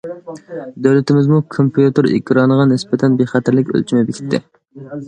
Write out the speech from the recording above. دۆلىتىمىزمۇ كومپيۇتېر ئېكرانىغا نىسبەتەن بىخەتەرلىك ئۆلچىمى بېكىتتى.